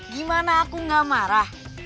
gimana aku enggak marah